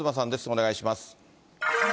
お願いします。